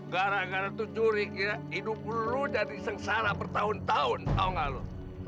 gara gara tuh juri kita hidup lo jadi sengsara bertahun tahun tau gak lo